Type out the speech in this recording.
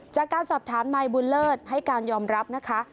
จากการสอบถามนายบุญเลิศให้การยอมรับนะคะ